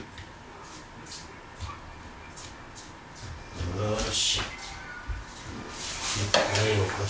よし。